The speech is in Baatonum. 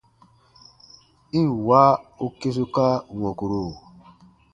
I ǹ wa u kesuka wɔ̃kuru!